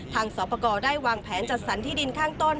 สอบประกอบได้วางแผนจัดสรรที่ดินข้างต้น